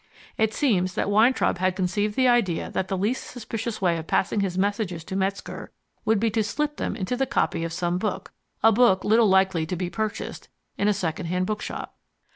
"It seems that Weintraub had conceived the idea that the least suspicious way of passing his messages to Metzger would be to slip them into a copy of some book a book little likely to be purchased in a second hand bookshop.